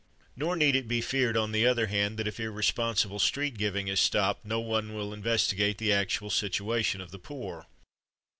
Nor need it be feared, on the other hand, that if irresponsible street giving is stopped nobody will investigate the actual situation of the poor.